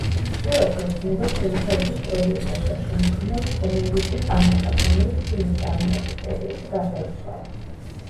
სურათი ეძღვნება ფრენჩაიზის პროდიუსერ და შემქმნელ ტომოიუკი ტანაკას, რომელიც ფილმის წარმოების პერიოდში გარდაიცვალა.